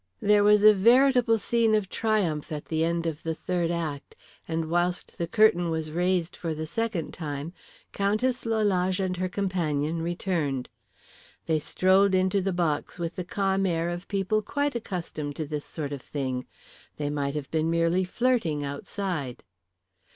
There was a veritable scene of triumph at the end of the third act, and whilst the curtain was raised for the second time Countess Lalage and her companion returned. They strolled into the box with the calm air of people quite accustomed to this sort of thing; they might have been merely flirting outside.